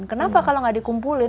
kenapa kalau gak dikumpulin